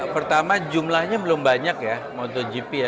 pertama jumlahnya belum banyak ya motogp ya